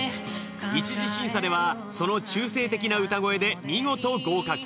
一次審査ではその中性的な歌声で見事合格。